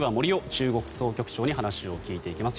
中国総局長に話を聞いていきます。